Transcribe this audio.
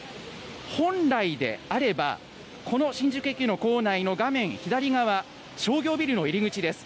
本来であれば、この新宿駅の構内の画面左側、商業ビルの入り口です。